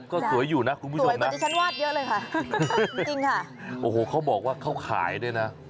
ก็สวยอยู่นะคุณผู้ชมนะจริงค่ะโอ้โหเขาบอกว่าเขาขายด้วยนะ